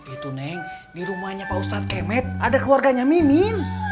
itu neng di rumahnya pak ustadz kemet ada keluarganya miming